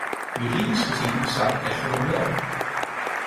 Juridisch gezien bestaat het echter nog wel.